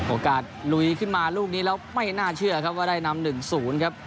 โอกาสลุยขึ้นมาลูกนี้แล้วไม่น่าเชื่อครับว่าได้นำหนึ่งศูนย์ครับ